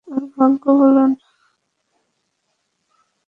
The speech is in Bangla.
ওর ভাগ্য বলুন।